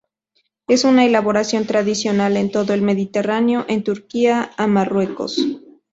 Es una elaboración tradicional en todo el mediterráneo, de Turquía a Marruecos.